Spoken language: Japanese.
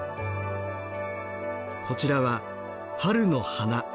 こちらは「春の花」。